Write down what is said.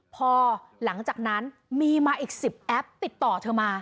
พอหลังจากนั้นมีมาอีก๑๐แอปติดต่อเธอมา